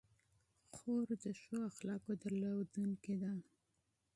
خور د ښو اخلاقو درلودونکې ده.